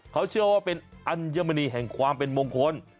เขาเชื่อว่าเป็นอัญมณีแห่งความเป็นมงคล